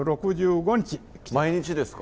毎日ですか？